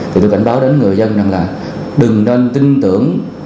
thì tôi cảnh báo đến người dân rằng là đừng nên tin tưởng